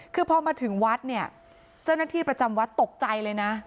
คือพอมาถึงวัดเนี่ยเจ้าหน้าที่ประจำวัดตกใจเลยนะ